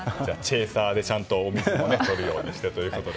チェイサーでちゃんとお水もとるようにしてと。